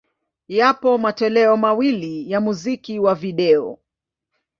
Yapo matoleo mawili ya muziki wa video.